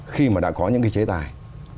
khi mà đã có những cái chế tài